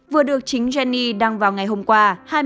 vừa được chính jenny đăng vào ngày hôm qua